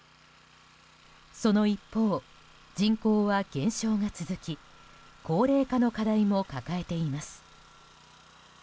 その一方、人口は減少が続き高齢化の課題も抱えています。